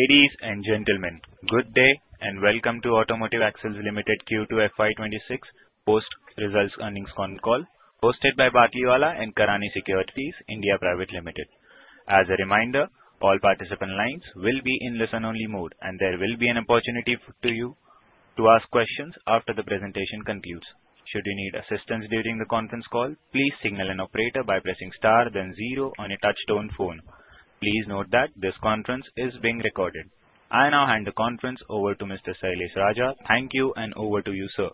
Ladies and gentlemen, good day and welcome to Automotive Axles Ltd Q2 FY 2026 Post Results Earnings Con call, hosted by Batlivala & Karani Securities India Pvt Ltd. As a reminder, all participant lines will be in listen-only mode, and there will be an opportunity to ask questions after the presentation concludes. Should you need assistance during the conference call, please signal an operator by pressing star, then zero on your touch-tone phone. Please note that this conference is being recorded. I now hand the conference over to Mr. Sailesh Raja. Thank you, and over to you, sir.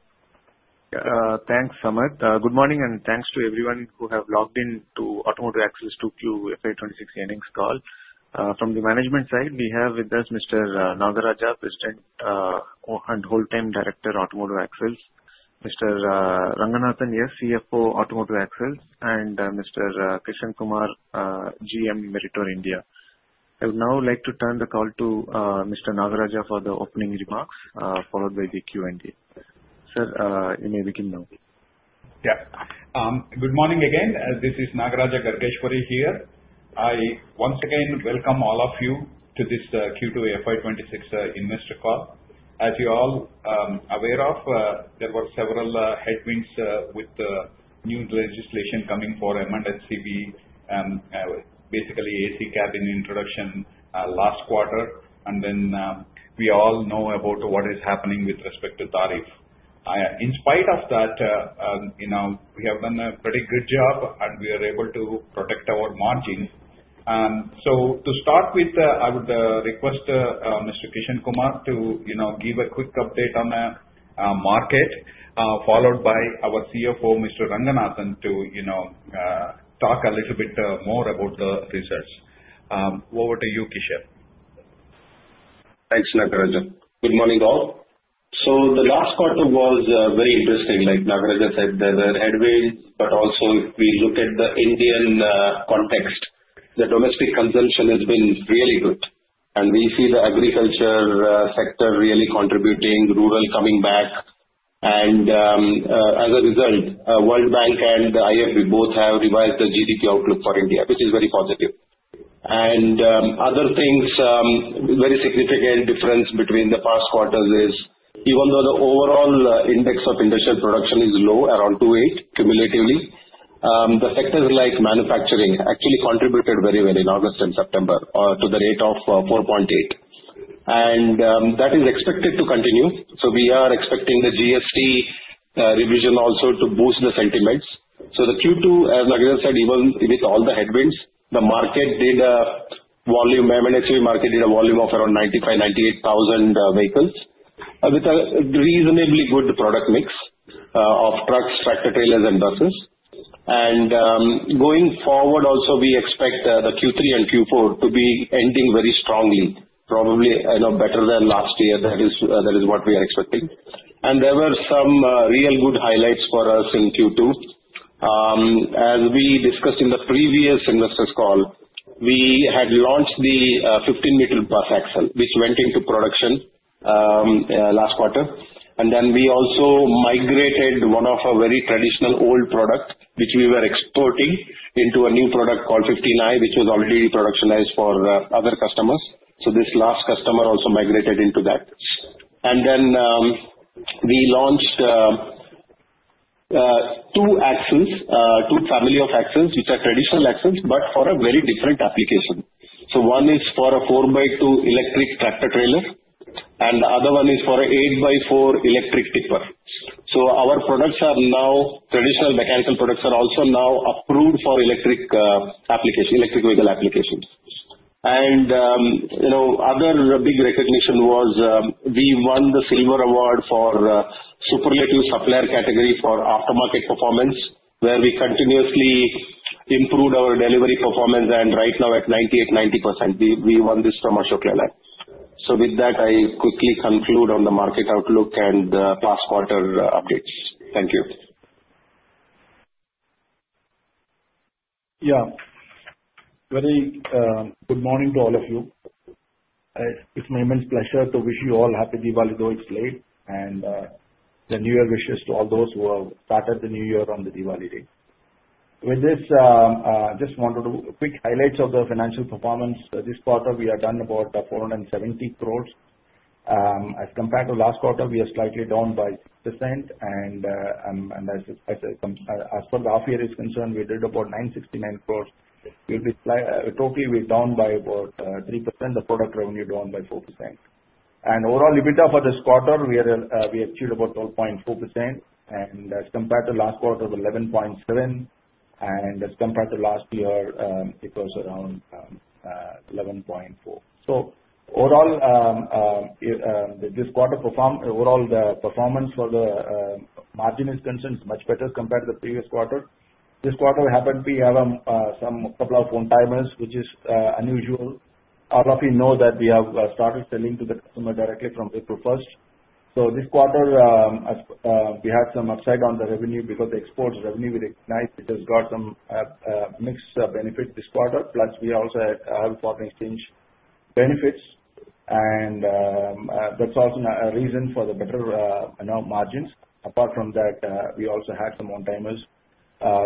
Thanks, Sailesh. Good morning, and thanks to everyone who have logged in to Automotive Axles 2Q FY 2026 Earnings call. From the management side, we have with us Mr. Nagaraja, President and Whole Time Director, Automotive Axles. Mr. Ranganathan, CFO, Automotive Axles, and Mr. Krishan Kumar, GM, Meritor India. I would now like to turn the call to Mr. Nagaraja for the opening remarks, followed by the Q&A. Sir, you may begin now. Yeah. Good morning again. This is Nagaraja Gargeshwari here. I once again welcome all of you to this Q2 FY 2026 investor call. As you're all aware of, there were several headwinds with the new legislation coming for M&HCV, basically AC cabin introduction last quarter, and then we all know about what is happening with respect to tariff. In spite of that, we have done a pretty good job, and we are able to protect our margins. So to start with, I would request Mr. Kishan Kumar to give a quick update on the market, followed by our CFO, Mr. Ranganathan, to talk a little bit more about the research. Over to you, Krishan. Thanks, Nagaraja. Good morning, all. The last quarter was very interesting. Like Nagaraja said, there were headwinds, but also if we look at the Indian context, the domestic consumption has been really good, and we see the agriculture sector really contributing, rural coming back, and as a result, World Bank and IFB both have revised the GDP outlook for India, which is very positive. Another very significant difference between the past quarters is, even though the overall index of industrial production is low, around 2.8% cumulatively, the sectors like manufacturing actually contributed very well in August and September to the rate of 4.8%. That is expected to continue. We are expecting the GST revision also to boost the sentiments. The Q2, as Nagaraja said, even with all the headwinds, the M&HCV market did a volume of around 95,000-98,000 vehicles with a reasonably good product mix of trucks, tractor trailers, and buses. Going forward, we also expect the Q3 and Q4 to be ending very strongly, probably better than last year. That is what we are expecting. There were some real good highlights for us in Q2. As we discussed in the previous investors' call, we had launched the 15-meter bus axle, which went into production last quarter, and then we also migrated one of our very traditional old products, which we were exporting, into a new product called 59, which was already productionized for other customers. This last customer also migrated into that. And then we launched two axles, two families of axles, which are traditional axles, but for a very different application. So one is for a 4x2 electric tractor trailer, and the other one is for an 8x4 electric tipper. So our products are now traditional mechanical products are also now approved for electric vehicle applications. And other big recognition was we won the Silver Award for superlative supplier category for aftermarket performance, where we continuously improved our delivery performance, and right now at 98%, 90%, we won this from Ashok Leyland. So with that, I quickly conclude on the market outlook and the past quarter updates. Thank you. Yeah. Very good morning to all of you. It's my immense pleasure to wish you all a happy Diwali, though it's late, and the New Year wishes to all those who have started the New Year on the Diwali day. With this, I just want to do quick highlights of the financial performance. This quarter, we have done about 470 crores. As compared to last quarter, we are slightly down by 6%, and as far as the half year is concerned, we did about 969 crores. Totally, we're down by about 3%. The product revenue down by 4%. And overall EBITDA for this quarter, we achieved about 12.4%, and as compared to last quarter, 11.7%, and as compared to last year, it was around 11.4%. So overall, this quarter performed. Overall the performance for the margin is concerned is much better compared to the previous quarter. This quarter, we happen to have a couple of one-timers, which is unusual. All of you know that we have started selling to the customer directly from April 1st. So this quarter, we had some upside on the revenue because the exports revenue, we recognize it has got some mixed benefit this quarter, plus we also have foreign exchange benefits, and that's also a reason for the better margins. Apart from that, we also had some one-timers.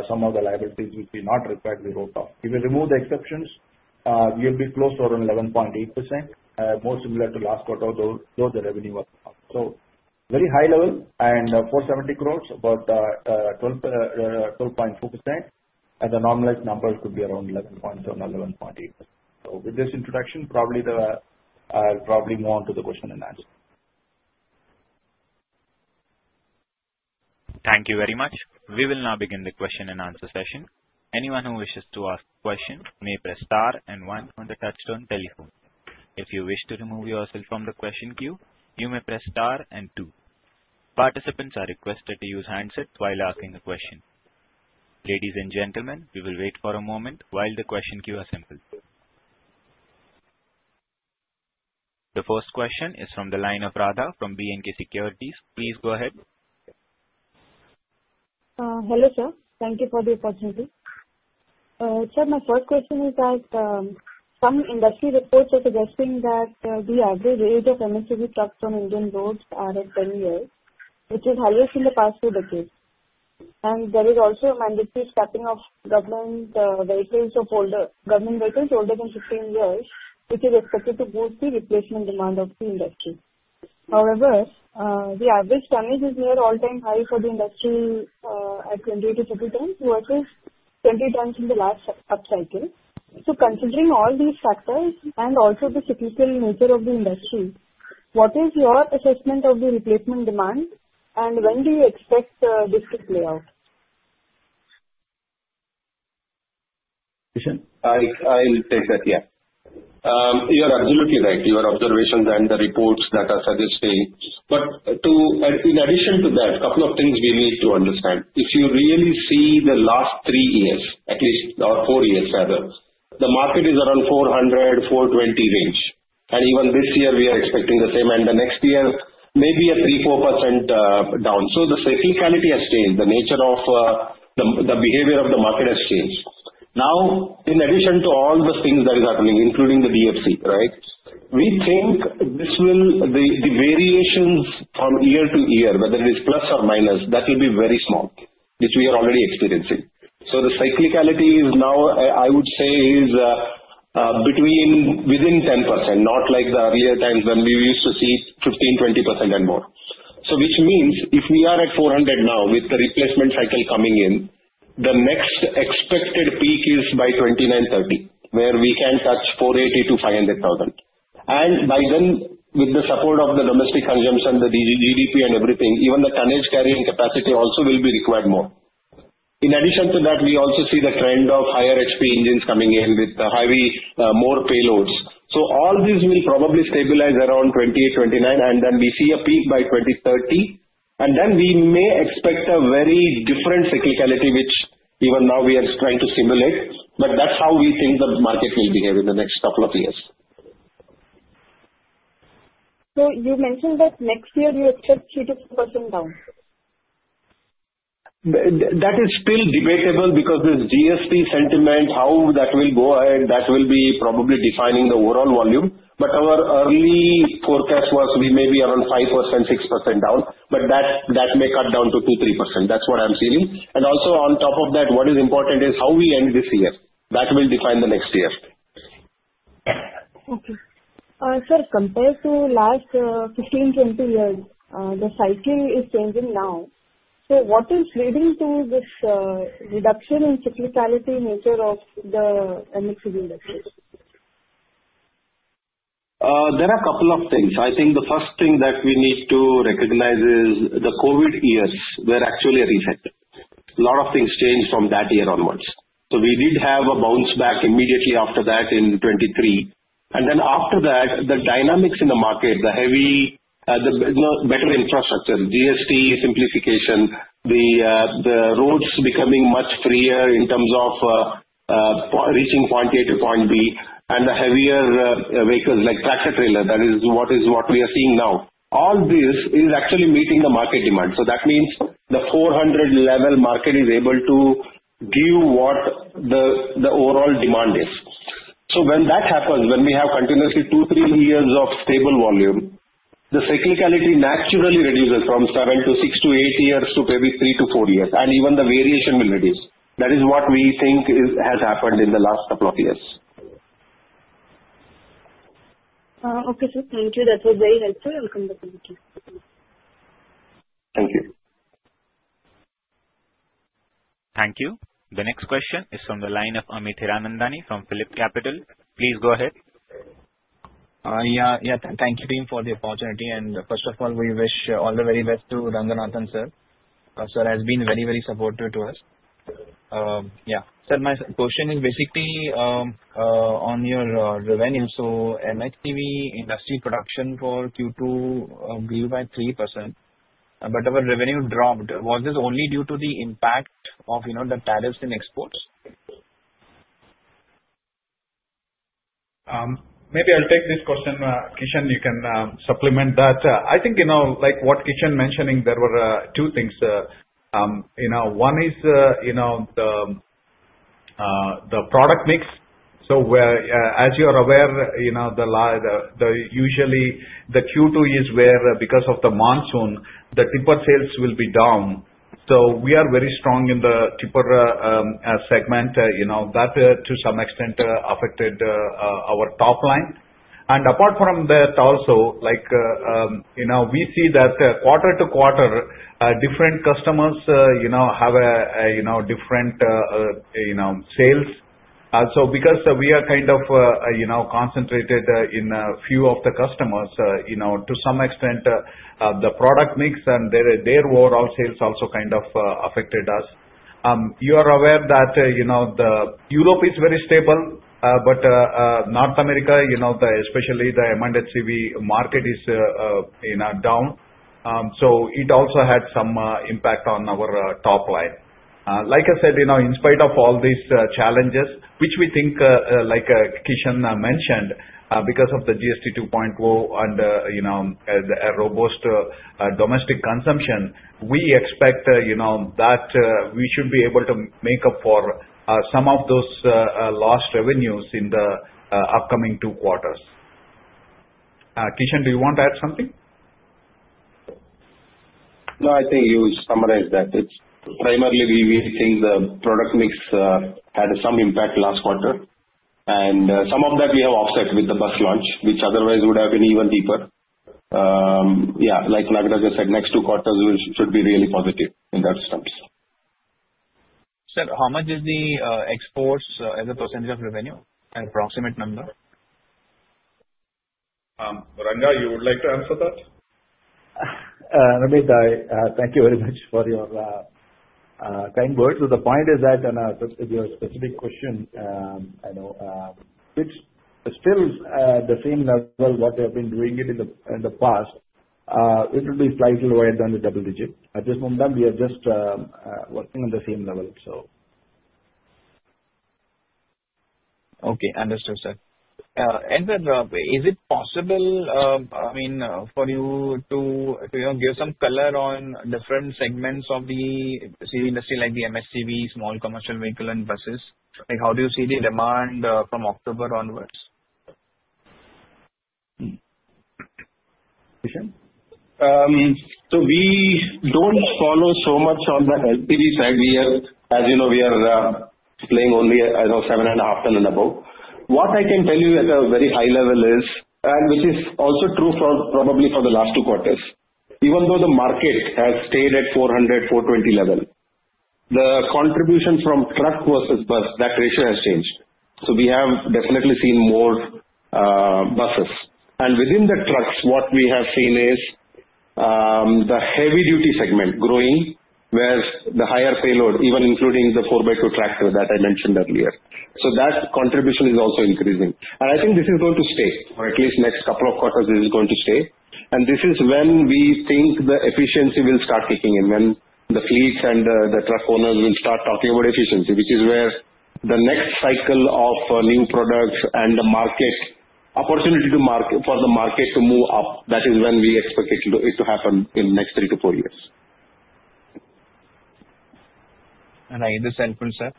Some of the liabilities which we not required, we wrote off. If we remove the exceptions, we'll be close to around 11.8%, more similar to last quarter, though the revenue was up. So very high level, and 470 crores, about 12.4%, and the normalized number could be around 11.7%, 11.8%. So with this introduction, I'll probably move on to the question and answer. Thank you very much. We will now begin the question and answer session. Anyone who wishes to ask a question may press star and one on the touch-tone telephone. If you wish to remove yourself from the question queue, you may press star and two. Participants are requested to use handsets while asking a question. Ladies and gentlemen, we will wait for a moment while the question queue assembles. The first question is from the line of Radha from B&K Securities. Please go ahead. Hello, sir. Thank you for the opportunity. Sir, my first question is that some industry reports are suggesting that the average age of M&HCV trucks on Indian roads is 10 years, which is higher than the past two decades, and there is also mandatory scrapping of older government vehicles older than 15 years, which is expected to boost the replacement demand of the industry. However, the average age is near all-time high for the industry at 20-30 times versus 20 times in the last upcycle, so considering all these factors and also the cyclical nature of the industry, what is your assessment of the replacement demand, and when do you expect this to play out? Kishan, I'll take that, yeah. You're absolutely right. Your observations and the reports that are suggesting. But in addition to that, a couple of things we need to understand. If you really see the last three years, at least, or four years, rather, the market is around 400-420 range. And even this year, we are expecting the same, and the next year may be a 3%, 4% down. So the cyclicality has changed. The nature of the behavior of the market has changed. Now, in addition to all the things that are happening, including the DFC, right, we think the variations from year to year, whether it is plus or minus, that will be very small, which we are already experiencing. So the cyclicality is now, I would say, is within 10%, not like the earlier times when we used to see 15%, 20% and more. So which means if we are at 400 now with the replacement cycle coming in, the next expected peak is by 2029, 2030, where we can touch 480,000-500,000. And by then, with the support of the domestic consumption, the GDP and everything, even the tonnage carrying capacity also will be required more. In addition to that, we also see the trend of higher HP engines coming in with more payloads. So all these will probably stabilize around 2028, 2029, and then we see a peak by 2030, and then we may expect a very different cyclicality, which even now we are trying to simulate, but that's how we think the market will behave in the next couple of years. So you mentioned that next year you expect 3%-4% down? That is still debatable because this GST sentiment, how that will go ahead, that will be probably defining the overall volume, but our early forecast was we may be around 5%-6% down, but that may cut down to 2%-3%. That's what I'm seeing, and also on top of that, what is important is how we end this year. That will define the next year. Thank you. Sir, compared to last 15-20 years, the cycle is changing now. So what is leading to this reduction in cyclical nature of the M&HCV industry? There are a couple of things. I think the first thing that we need to recognize is the COVID years were actually a reset. A lot of things changed from that year onwards. So we did have a bounce back immediately after that in 2023. And then after that, the dynamics in the market, the better infrastructure, GST simplification, the roads becoming much freer in terms of reaching point A to point B, and the heavier vehicles like tractor trailer, that is what we are seeing now. All this is actually meeting the market demand. So that means the 400-level market is able to give what the overall demand is. So when that happens, when we have continuously two, three years of stable volume, the cyclicality naturally reduces from seven to six to eight years to maybe three to four years, and even the variation will reduce. That is what we think has happened in the last couple of years. Okay, sir. Thank you. That was very helpful. Welcome back to the team. Thank you. Thank you. The next question is from the line of Amit Hiranandani from PhillipCapital. Please go ahead. Yeah. Thank you, team, for the opportunity. And first of all, we wish all the very best to Ranganathan, sir. Sir has been very, very supportive to us. Yeah. Sir, my question is basically on your revenue. So M&HCV industry production for Q2 grew by 3%, but our revenue dropped. Was this only due to the impact of the tariffs in exports? Maybe I'll take this question. Krishan, you can supplement that. I think what Krishan mentioning, there were two things. One is the product mix. So as you are aware, usually the Q2 is where, because of the monsoon, the tipper sales will be down. So we are very strong in the tipper segment. That to some extent affected our top line. And apart from that also, we see that quarter to quarter, different customers have different sales. So because we are kind of concentrated in a few of the customers, to some extent, the product mix and their overall sales also kind of affected us. You are aware that Europe is very stable, but North America, especially the M&HCV market, is down. So it also had some impact on our top line. Like I said, in spite of all these challenges, which we think, like Krishan mentioned, because of the GST 2.0 and robust domestic consumption, we expect that we should be able to make up for some of those lost revenues in the upcoming two quarters. Krishan, do you want to add something? No, I think you summarized that. It's primarily we think the product mix had some impact last quarter. And some of that we have offset with the bus launch, which otherwise would have been even deeper. Yeah, like Nagaraja has said, next two quarters should be really positive in that sense. Sir, how much is the exports as a percentage of revenue? An approximate number? Ranga, you would like to answer that? Amit, thank you very much for your kind words. The point is that your specific question, which is still at the same level what we have been doing it in the past, it will be slightly wider than the double digit. At this moment, we are just working on the same level, so. Okay. Understood, sir. And then is it possible, I mean, for you to give some color on different segments of the CV industry like the MHCV, small commercial vehicle and buses? How do you see the demand from October onwards? Krishan? So we don't follow so much on the LTV side. As you know, we are playing only, I don't know, 7 and a half ton and above. What I can tell you at a very high level is, and which is also true probably for the last two quarters, even though the market has stayed at 400-420 level, the contribution from truck versus bus, that ratio has changed. So we have definitely seen more buses. And within the trucks, what we have seen is the Heavy-Duty segment growing where the higher payload, even including the 4x2 tractor that I mentioned earlier. So that contribution is also increasing. And I think this is going to stay, or at least next couple of quarters is going to stay. This is when we think the efficiency will start kicking in, when the fleets and the truck owners will start talking about efficiency, which is where the next cycle of new products and the market opportunity for the market to move up. That is when we expect it to happen in the next three to four years. I understand, sir.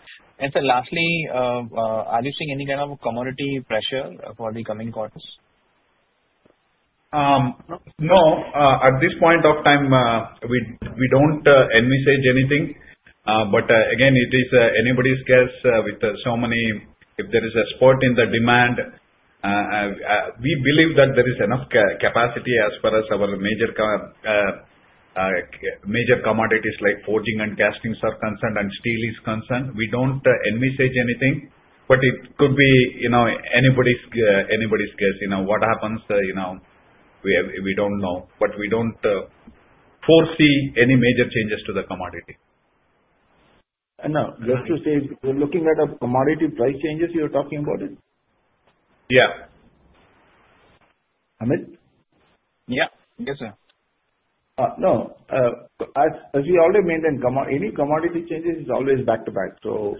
Sir, lastly, are you seeing any kind of commodity pressure for the coming quarters? No. At this point of time, we don't envisage anything. But again, it is anybody's guess with so many if there is a spurt in the demand. We believe that there is enough capacity as far as our major commodities like forging and casting are concerned and steel is concerned. We don't envisage anything, but it could be anybody's guess. What happens, we don't know, but we don't foresee any major changes to the commodity. No. Just to say, we're looking at commodity price changes you're talking about? Yeah. Amit? Yeah. Yes, sir. No. As we already maintained, any commodity changes is always back to back. So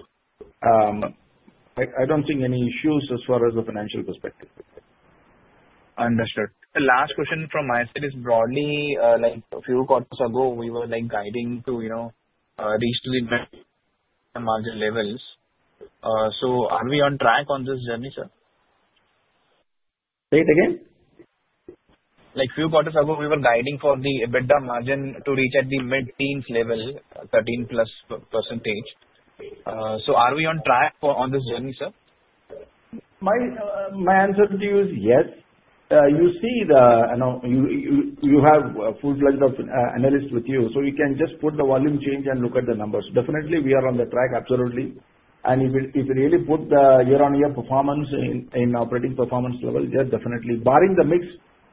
I don't see any issues as far as the financial perspective. Understood. The last question from my side is broadly. A few quarters ago, we were guiding to reach the better margin levels. So are we on track on this journey, sir? Say it again. A few quarters ago, we were guiding for the EBITDA margin to reach at the mid-teens level, +13%. So are we on track on this journey, sir? My answer to you is yes. You see, you have a full-fledged analyst with you, so you can just put the volume change and look at the numbers. Definitely, we are on track, absolutely. And if you really put the year-on-year performance in operating performance level, yes, definitely. Barring the mix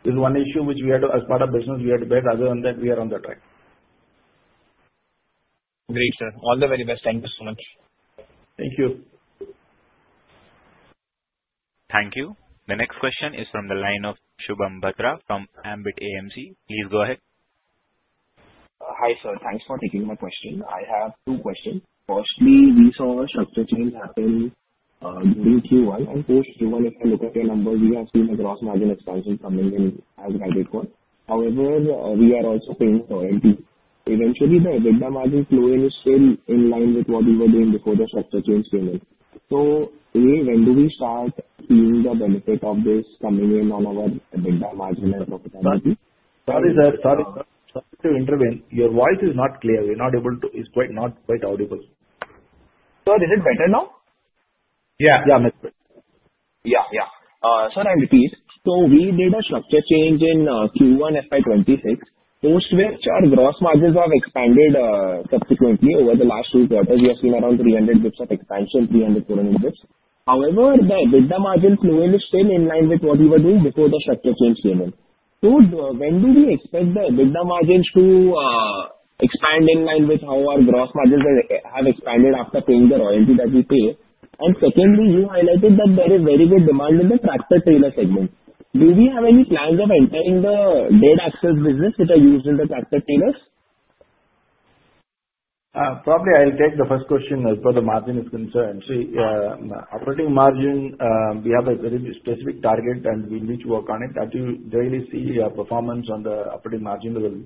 is one issue which we had as part of business, we had to bear other than that we are on track. Great, sir. All the very best. Thank you so much. Thank you. Thank you. The next question is from the line of Shubham Bhatra from Ambit AMC. Please go ahead. Hi, sir. Thanks for taking my question. I have two questions. Firstly, we saw a structure change happen during Q1. And post Q1, if I look at your numbers, we have seen a gross margin expansion coming in as a gradual quarter. However, we are also paying for it. Eventually, the EBITDA margin flow-through is still in line with what we were doing before the structure change came in. So when do we start seeing the benefit of this coming in on our EBITDA margin and profitability? Sorry, sir. Sorry to intervene. Your voice is not clear. We're not able to. It's not quite audible. Sir, is it better now? Yeah. Yeah. Yeah. Sir, I'll repeat. So we did a structure change in Q1, FY 2026. Post which our gross margins have expanded subsequently over the last two quarters. We have seen around 300 basis points of expansion, 300bps-400bps. However, the EBITDA margin flowing is still in line with what we were doing before the structure change came in. So when do we expect the EBITDA margins to expand in line with how our gross margins have expanded after paying the royalty that we pay? And secondly, you highlighted that there is very good demand in the tractor trailer segment. Do we have any plans of entering the dead axle business which are used in the tractor trailers? Probably I'll take the first question as far as the margin is concerned. See, operating margin, we have a very specific target, and we need to work on it. I do really see performance on the operating margin level.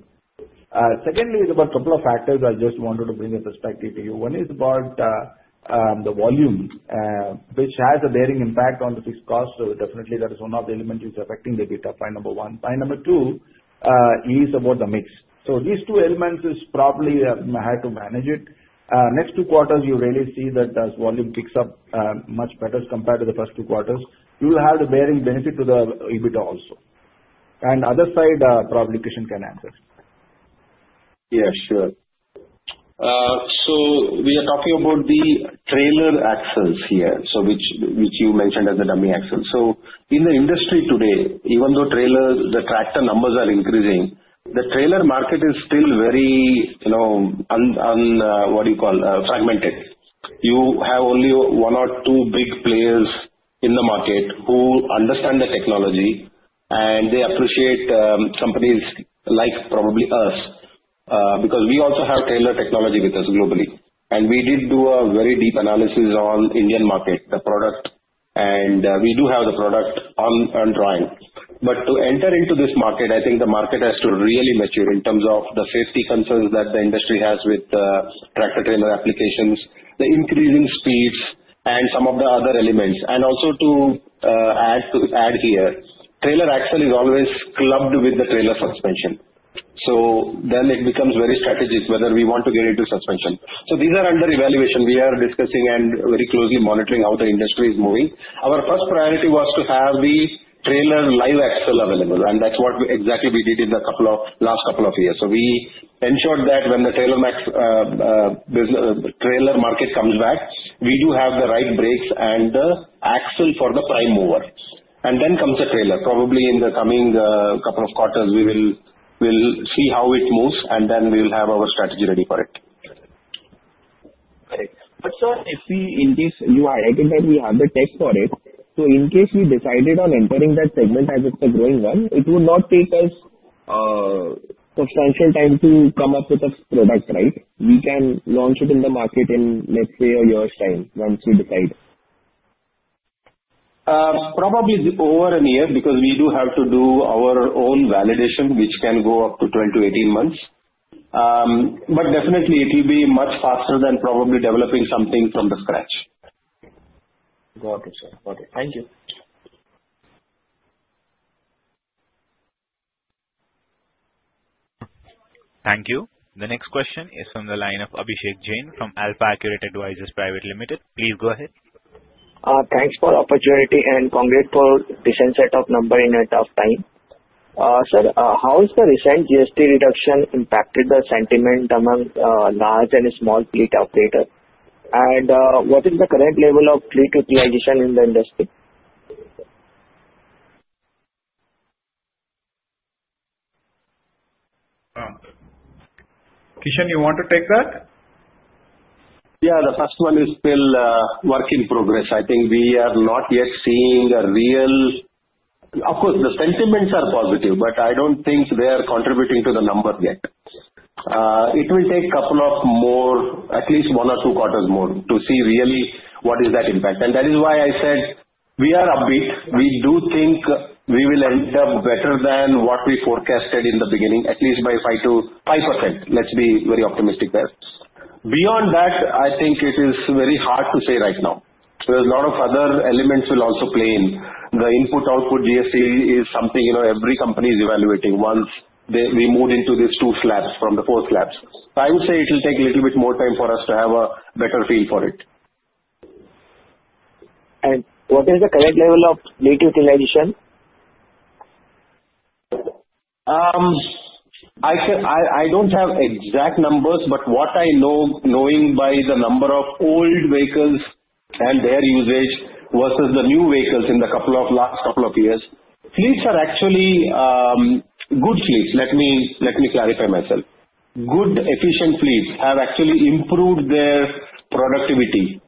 Secondly, there were a couple of factors I just wanted to bring in perspective to you. One is about the volume, which has a bearing impact on the fixed cost. So definitely, that is one of the elements which is affecting the EBITDA, point number one. Point number two is about the mix. So these two elements is probably how to manage it. Next two quarters, you really see that as volume picks up much better compared to the first two quarters, you will have the bearing benefit to the EBITDA also. And other side, probably Krishan can answer. Yeah, sure. So we are talking about the trailer axles here, which you mentioned as the dummy axles. So in the industry today, even though tractor numbers are increasing, the trailer market is still very, what do you call, fragmented. You have only one or two big players in the market who understand the technology, and they appreciate companies like probably us because we also have trailer technology with us globally, and we did do a very deep analysis on the Indian market, the product, and we do have the product on drawing, but to enter into this market, I think the market has to really mature in terms of the safety concerns that the industry has with tractor trailer applications, the increasing speeds, and some of the other elements, and also to add here, trailer axle is always clubbed with the trailer suspension, so then it becomes very strategic whether we want to get into suspension, so these are under evaluation. We are discussing and very closely monitoring how the industry is moving. Our first priority was to have the trailer live axle available, and that's what exactly we did in the last couple of years. So we ensured that when the trailer market comes back, we do have the right brakes and the axle for the prime mover. And then comes the trailer. Probably in the coming couple of quarters, we will see how it moves, and then we will have our strategy ready for it. But sir, if we in case you are right in that we have the tech for it, so in case we decided on entering that segment as it's a growing one, it would not take us substantial time to come up with a product, right? We can launch it in the market in, let's say, a year's time once we decide. Probably over a year because we do have to do our own validation, which can go up to 12-18 months, but definitely, it will be much faster than probably developing something from the scratch. Got it, sir. Got it. Thank you. Thank you. The next question is from the line of Abhishek Jain from AlfAccurate Advisors Private Ltd. Please go ahead. Thanks for the opportunity and congrats for the recent set of numbers in a tough time. Sir, how has the recent GST reduction impacted the sentiment among large and small fleet operators? And what is the current level of fleet utilization in the industry? Krishan, you want to take that? Yeah. The first one is still a work in progress. I think we are not yet seeing a real, of course, the sentiments are positive, but I don't think they are contributing to the numbers yet. It will take a couple of more, at least one or two quarters more, to see really what is that impact. And that is why I said we are upbeat. We do think we will end up better than what we forecasted in the beginning, at least by 5%. Let's be very optimistic there. Beyond that, I think it is very hard to say right now. There are a lot of other elements will also play in. The input-output GST is something every company is evaluating once we move into these two slabs from the four slabs. I would say it will take a little bit more time for us to have a better feel for it. What is the current level of fleet utilization? I don't have exact numbers, but what I know knowing by the number of old vehicles and their usage versus the new vehicles in the last couple of years, fleets are actually good fleets. Let me clarify myself. Good, efficient fleets have actually improved their productivity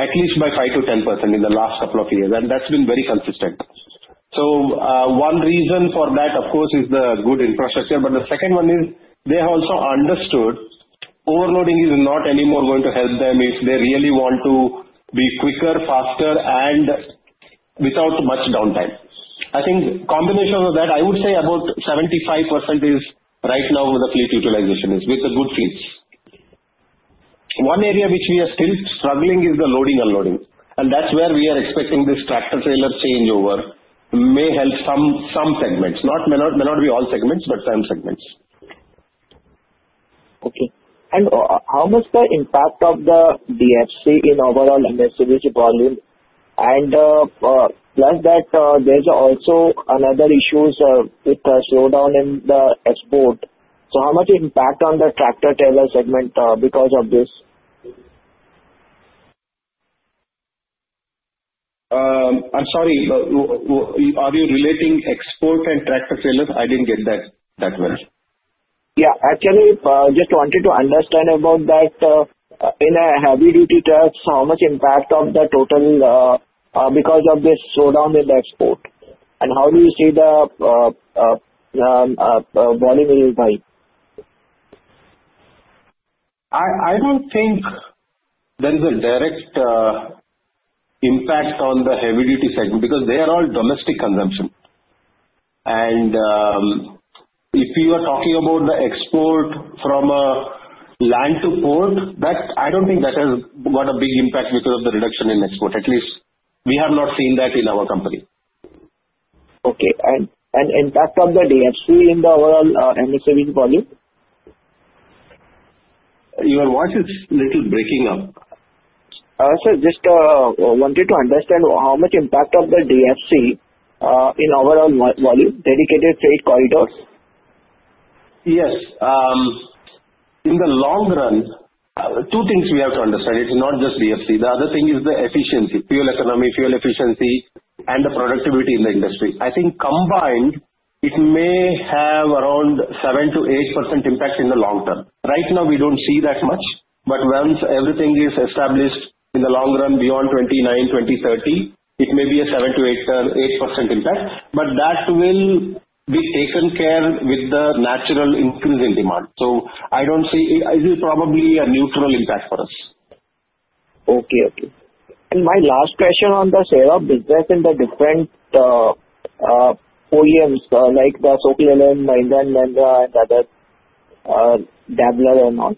at least by 5%-10% in the last couple of years, and that's been very consistent. So one reason for that, of course, is the good infrastructure. But the second one is they have also understood overloading is not anymore going to help them if they really want to be quicker, faster, and without much downtime. I think combination of that, I would say about 75% is right now with the fleet utilization is with the good fleets. One area which we are still struggling is the loading-unloading, and that's where we are expecting this tractor trailer changeover may help some segments. May not be all segments, but some segments. Okay. And how much is the impact of the DFC in overall M&HCV's volume? And plus that, there's also another issue with the slowdown in the export. So how much impact on the tractor trailer segment because of this? I'm sorry, but are you relating export and tractor trailers? I didn't get that well. Yeah. Actually, just wanted to understand about that. In heavy-duty trucks, how much impact of the total because of this slowdown in the export? And how do you see the volume will? I don't think there is a direct impact on the heavy-duty segment because they are all domestic consumption, and if you are talking about the export from inland to port, I don't think that has got a big impact because of the reduction in export. At least we have not seen that in our company. Okay. And impact of the DFC in the overall MHCV's volume? Your voice is a little breaking up. Sir, just wanted to understand how much impact of the DFC in overall volume, dedicated freight corridors? Yes. In the long run, two things we have to understand. It's not just DFC. The other thing is the efficiency, fuel economy, fuel efficiency, and the productivity in the industry. I think combined, it may have around 7%-8% impact in the long term. Right now, we don't see that much. But once everything is established in the long run, beyond 2029, 2030, it may be a 7%-8% impact. But that will be taken care with the natural increase in demand. So I don't see it is probably a neutral impact for us. Okay. And my last question on the share of business in the different OEMs like Ashok Leyland, Mahindra, and others, Daimler and all.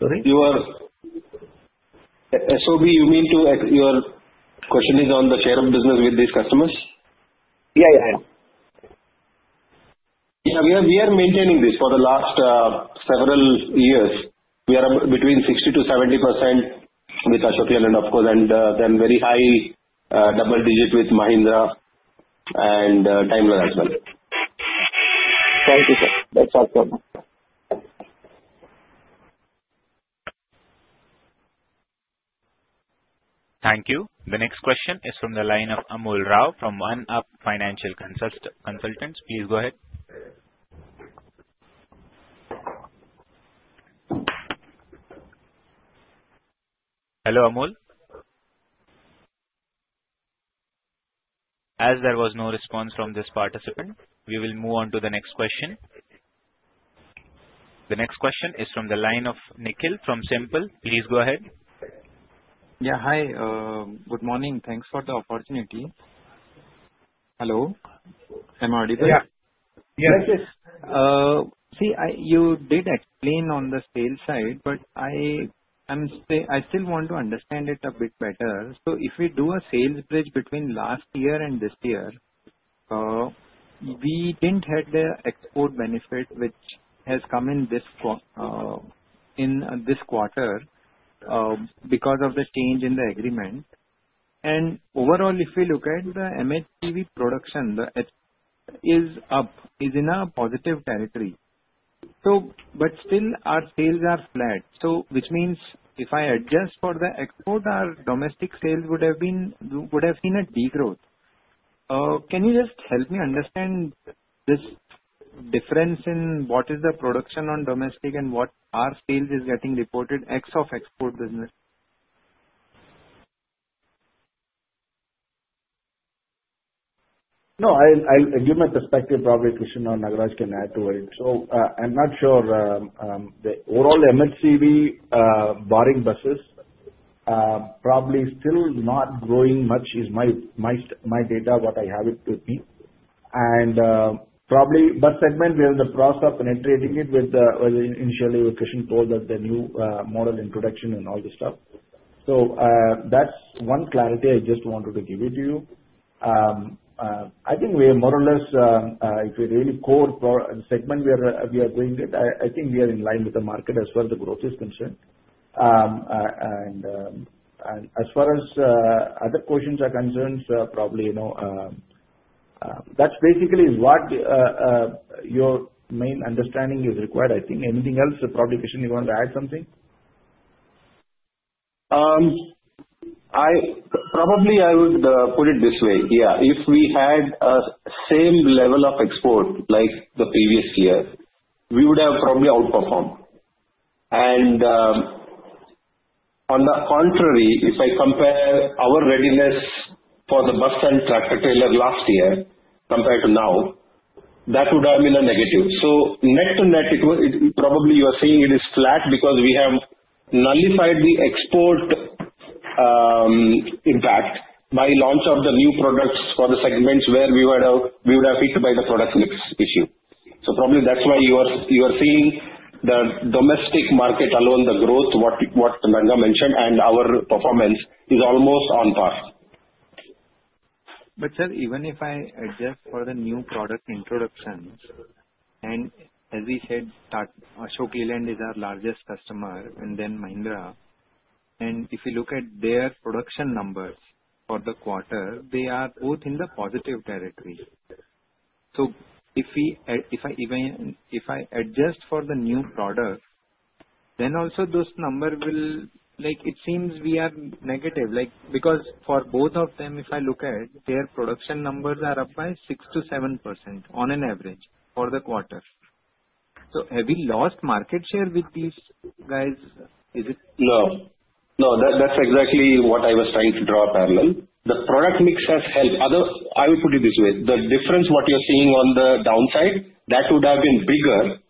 Sorry? So, you mean your question is on the share of business with these customers? Yeah. Yeah. We are maintaining this for the last several years. We are between 60% to 70% with Ashok Leyland, of course, and then very high double digit with Mahindra and Daimler as well. Thank you, sir. That's all. Thank you. The next question is from the line of Amul Rao from OneUp Financial Consultants. Please go ahead. Hello, Amul. As there was no response from this participant, we will move on to the next question. The next question is from the line of Nikhil from SIMPL. Please go ahead. Yeah. Hi. Good morning. Thanks for the opportunity. Hello. Am I audible? Yeah. Yes. Thank you. See, you did explain on the sales side, but I still want to understand it a bit better. So if we do a sales bridge between last year and this year, we didn't have the export benefit which has come in this quarter because of the change in the agreement. And overall, if we look at the MHCV production, it is up, it is in a positive territory. But still, our sales are flat. So which means if I adjust for the export, our domestic sales would have seen a degrowth. Can you just help me understand this difference in what is the production on domestic and what our sales is getting reported net of export business? No. I'll give my perspective. Probably Krishan or Nagaraja can add to it, so I'm not sure. The overall MHCV borrowing buses probably still not growing much is my data, what I have it with me, and probably bus segment, we are in the process of penetrating it with the initially Krishan told us the new model introduction and all this stuff, so that's one clarity I just wanted to give it to you. I think we are more or less, if we really core segment, we are doing it. I think we are in line with the market as far as the growth is concerned, and as far as other questions are concerned, probably that's basically what your main understanding is required. I think anything else? Probably Krishan, you want to add something? Probably I would put it this way. Yeah. If we had a same level of export like the previous year, we would have probably outperformed. And on the contrary, if I compare our readiness for the bus and tractor trailer last year compared to now, that would have been a negative. So net to net, probably you are seeing it is flat because we have nullified the export impact by launch of the new products for the segments where we would have hit by the product mix issue. So probably that's why you are seeing the domestic market alone, the growth, what Ranga mentioned, and our performance is almost on par. But, sir, even if I adjust for the new product introductions, and as we said, Ashok Leyland is our largest customer, and then Mahindra. And if you look at their production numbers for the quarter, they are both in the positive territory. So if I adjust for the new product, then also those numbers will. It seems we are negative. Because for both of them, if I look at their production numbers, they are up by 6%-7% on an average for the quarter. So have we lost market share with these guys? No. That's exactly what I was trying to draw a parallel. The product mix has helped. I will put it this way. The difference what you're seeing on the downside, that would have been bigger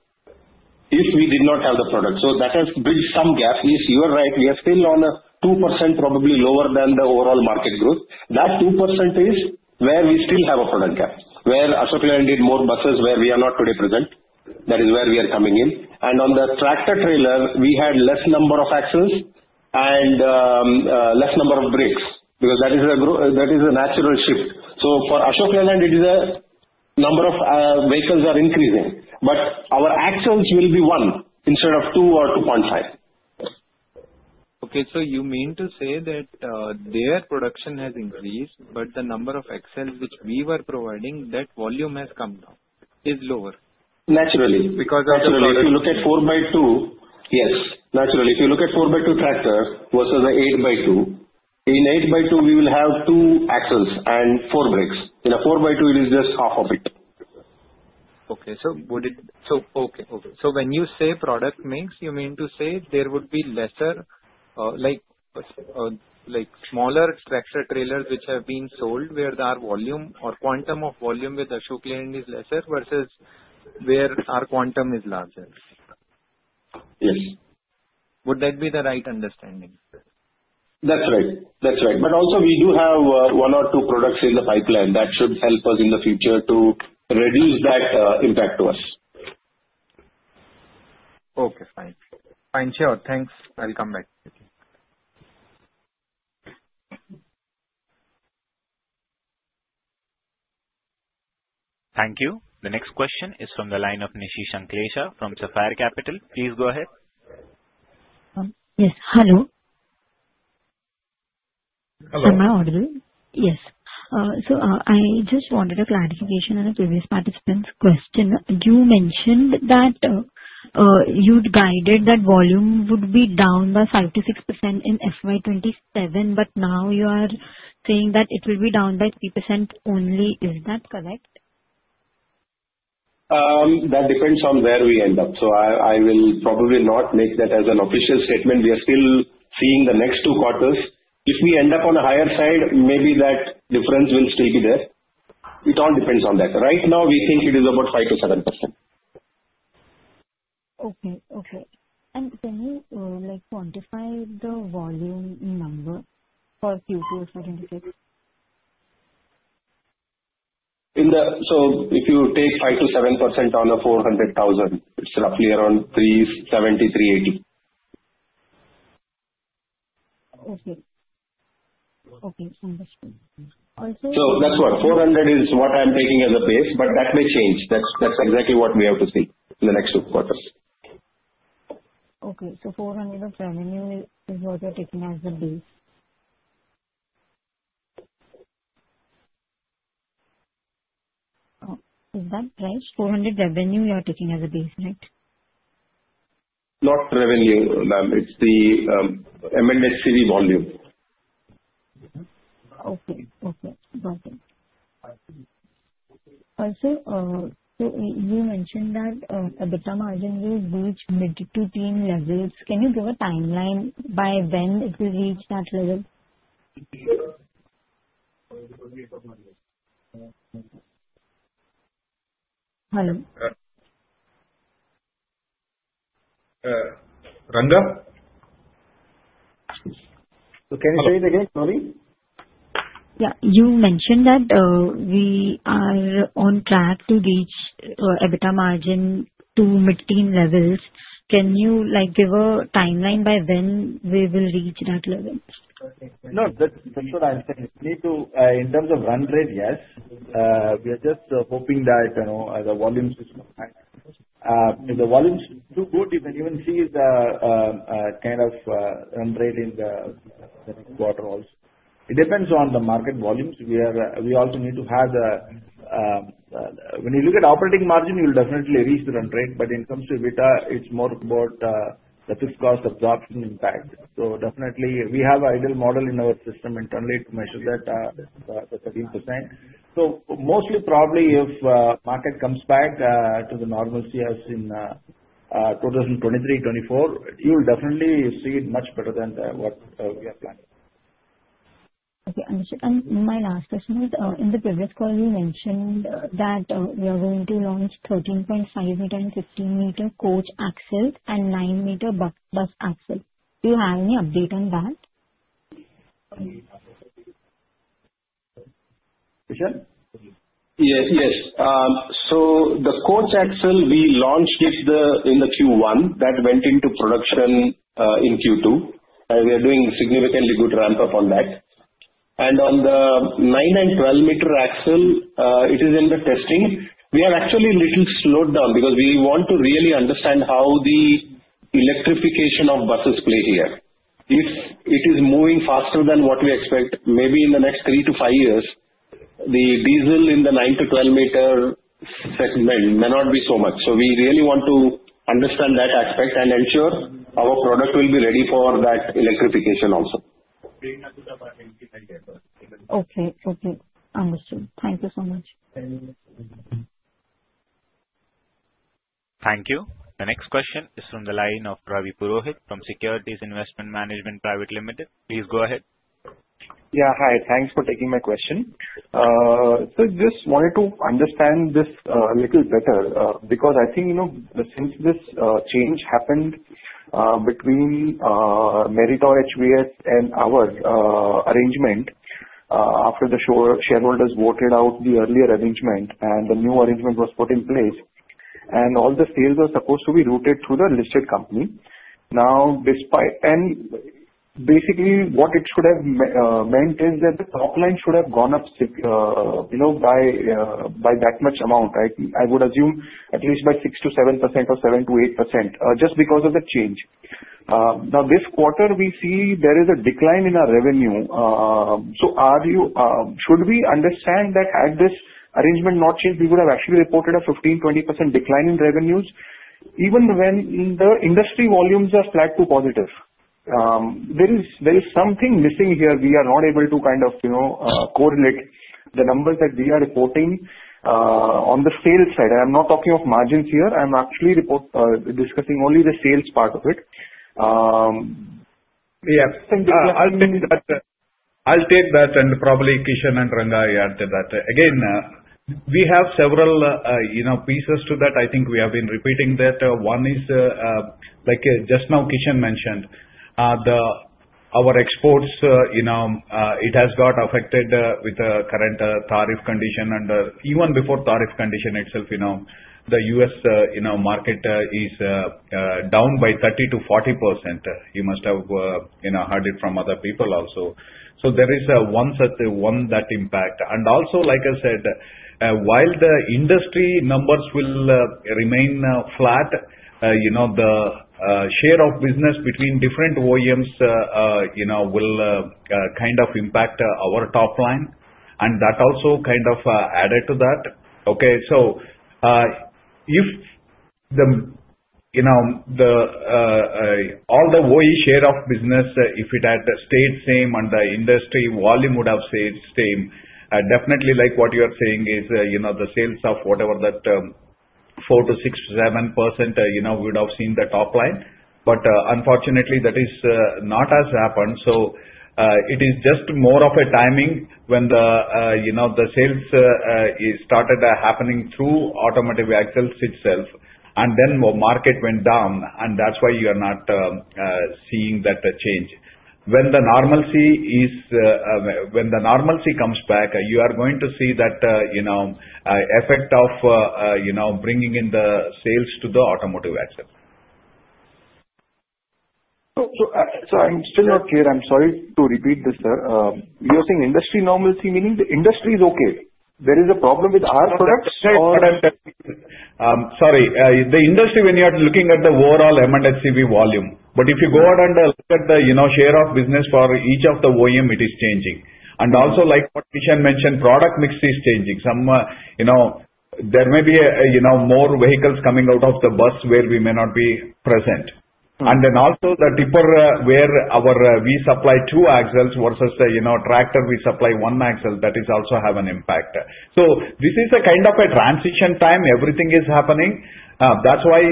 if we did not have the product. So that has bridged some gap. You are right. We are still on a 2% probably lower than the overall market growth. That 2% is where we still have a product gap, where Ashok Leyland did more buses where we are not today present. That is where we are coming in. And on the tractor trailer, we had less number of axles and less number of brakes because that is a natural shift. So for Ashok Leyland, it is a number of vehicles are increasing. But our axles will be one instead of two or 2.5. Okay. So you mean to say that their production has increased, but the number of axles which we were providing, that volume has come down, is lower? Naturally. Because of the volume. Naturally. If you look at 4x2 tractor versus an 8x2, in 8x2, we will have two axles and four brakes. In a 4x2, it is just half of it. Okay. So when you say product mix, you mean to say there would be smaller tractor trailers which have been sold where the quantum of volume with Ashok Leyland is lesser versus where our quantum is larger? Yes. Would that be the right understanding? That's right. That's right. But also, we do have one or two products in the pipeline that should help us in the future to reduce that impact to us. Okay. Fine. Fine share. Thanks. I'll come back. Thank you. The next question is from the line of Nishita Shanklesha from Sapphire Capital. Please go ahead. Yes. Hello. Hello. Am I audible? Yes. So I just wanted a clarification on a previous participant's question. You mentioned that you'd guided that volume would be down by 5%-6% in FY 2027, but now you are saying that it will be down by 3% only. Is that correct? That depends on where we end up. So I will probably not make that as an official statement. We are still seeing the next two quarters. If we end up on a higher side, maybe that difference will still be there. It all depends on that. Right now, we think it is about 5%-7%. Okay, okay, and can you quantify the volume number for Q2 for 2026? If you take 5%-7% on a 400,000, it's roughly around 370, 380. Okay. Understood. So that's what 400 is what I'm taking as a base, but that may change. That's exactly what we have to see in the next two quarters. Okay. So 400 of revenue is what you're taking as the base. Is that right? 400 revenue you are taking as a base, right? Not revenue. It's the M&HCV volume. Okay. Got it. Also, so you mentioned that the EBITDA margin will reach mid to teen levels. Can you give a timeline by when it will reach that level? Hello? Ranga? So can you say it again? Sorry. Yeah. You mentioned that we are on track to reach an EBITDA margin to mid-teen levels. Can you give a timeline by when we will reach that level? No. That's what I'm saying. In terms of run rate, yes. We are just hoping that if the volumes do good, you can even see the kind of run rate in the next quarter also. It depends on the market volumes. We also need to have the when you look at operating margin, you'll definitely reach the run rate. But when it comes to beta, it's more about the fixed cost absorption impact. So definitely, we have an ideal model in our system internally to measure that 13%. So mostly, probably if market comes back to the normalcy as in 2023-2024, you will definitely see it much better than what we are planning. Okay. Understood. And my last question is, in the previous call, you mentioned that you are going to launch 13.5-meter and 15-meter coach axles and nine meter bus axles. Do you have any update on that? Krishan? Yes. So the coach axle we launched in the Q1 that went into production in Q2. We are doing significantly good ramp-up on that. And on the nine and 12-meter axle, it is in the testing. We have actually a little slowed down because we want to really understand how the electrification of buses plays here. If it is moving faster than what we expect, maybe in the next three to five years, the diesel in the nine to 12-meter segment may not be so much. So we really want to understand that aspect and ensure our product will be ready for that electrification also. Okay. Understood. Thank you so much. Thank you. The next question is from the line of Ravi Purohit from Securities Investment Management Pvt Ltd. Please go ahead. Yeah. Hi. Thanks for taking my question, so just wanted to understand this a little better because I think since this change happened between Meritor HVS and our arrangement after the shareholders voted out the earlier arrangement and the new arrangement was put in place, and all the sales were supposed to be routed through the listed company, and basically, what it should have meant is that the top line should have gone up by that much amount, right? I would assume at least by 6%-7% or 7%-8% just because of the change. Now, this quarter, we see there is a decline in our revenue. So should we understand that had this arrangement not changed, we would have actually reported a 15%-20% decline in revenues even when the industry volumes are flat to positive? There is something missing here. We are not able to kind of correlate the numbers that we are reporting on the sales side. I'm not talking of margins here. I'm actually discussing only the sales part of it. Yeah. I'll take that. I'll take that. And probably Krishan and Ranga will add to that. Again, we have several pieces to that. I think we have been repeating that. One is, just now Krishan mentioned, our exports; it has got affected with the current tariff condition. And even before tariff condition itself, the U.S. market is down by 30%-40%. You must have heard it from other people also. So there is one such impact. And also, like I said, while the industry numbers will remain flat, the share of business between different OEMs will kind of impact our top line. And that also kind of added to that. Okay. So if all the OE share of business, if it had stayed same and the industry volume would have stayed the same, definitely like what you are saying is the sales of whatever that 4%-6%-7% would have seen the top line. But unfortunately, that is not as happened. So it is just more of a timing when the sales started happening through Automotive Axles itself, and then the market went down, and that's why you are not seeing that change. When the normalcy comes back, you are going to see that effect of bringing in the sales to the Automotive Axle. So I'm still not clear. I'm sorry to repeat this, sir. You're saying industry normalcy, meaning the industry is okay. There is a problem with our products? Sorry. The industry, when you are looking at the overall M&HCV volume, but if you go out and look at the share of business for each of the OEM, it is changing, and also, like what Krishan mentioned, product mix is changing. There may be more vehicles coming out of the bus where we may not be present, and then also, the tipper where we supply two axles versus the tractor, we supply one axle. That is also have an impact, so this is a kind of a transition time. Everything is happening. That's why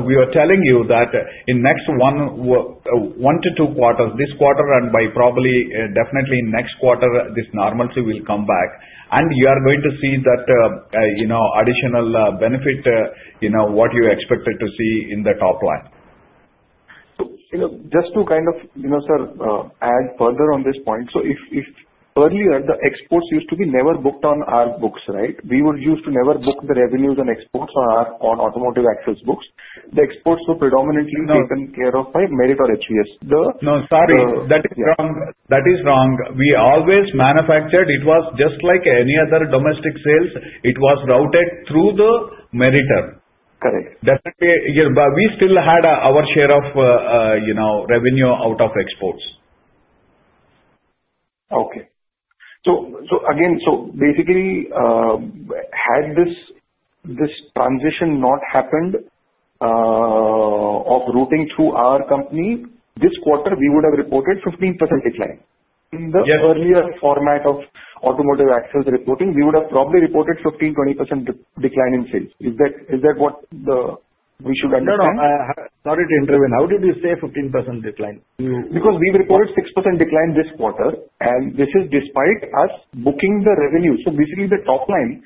we are telling you that in next one to two quarters, this quarter, and by probably definitely next quarter, this normalcy will come back, and you are going to see that additional benefit, what you expected to see in the top line. Just to kind of, sir, add further on this point. So if earlier, the exports used to be never booked on our books, right? We were used to never book the revenues and exports on Automotive Axles books. The exports were predominantly taken care of by Meritor HVS. No, sorry. That is wrong. That is wrong. We always manufactured. It was just like any other domestic sales. It was routed through the Meritor. Definitely. We still had our share of revenue out of exports. Okay. So again, so basically, had this transition not happened of routing through our company, this quarter, we would have reported 15% decline. In the earlier format of Automotive Axles reporting, we would have probably reported 15%-20% decline in sales. Is that what we should understand? No, no. Sorry to intervene. How did you say 15% decline? Because we reported 6% decline this quarter, and this is despite us booking the revenue. So basically, the top line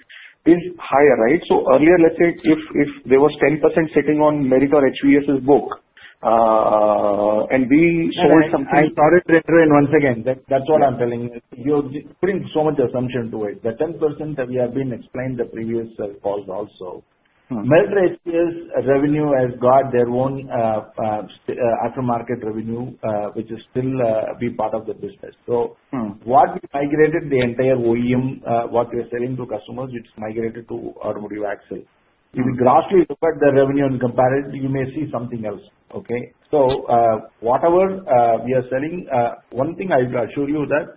is higher, right? So earlier, let's say if there was 10% sitting on Meritor HVS's book and we sold something. I'm sorry to intervene once again. That's what I'm telling you. You're putting so much assumptions to it. The 10% that we have explained the previous calls also. Meritor HVS revenue has got their own aftermarket revenue, which is still a big part of the business. So what we migrated, the entire OEM, what we are selling to customers, it's migrated to Automotive Axles. If you grossly look at the revenue and compare it, you may see something else. Okay? So whatever we are selling, one thing I will assure you that